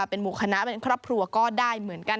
เป็นหมู่คณะเป็นครอบครัวก็ได้เหมือนกัน